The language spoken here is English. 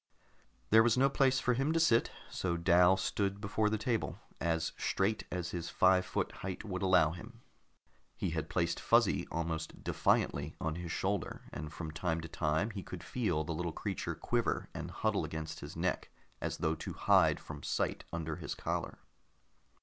There was no place for him to sit, so Dal stood before the table, as straight as his five foot height would allow him. He had placed Fuzzy almost defiantly on his shoulder, and from time to time he could feel the little creature quiver and huddle against his neck as though to hide from sight under his collar.